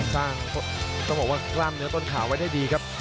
ต้องบอกว่ากล้ามเนื้อต้นขาไว้ได้ดีครับ